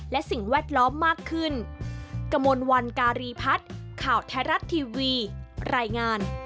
และสิ่งแวดล้อมมากขึ้น